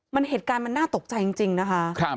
มันเหตุการณ์มันน่าตกใจจริงนะคะ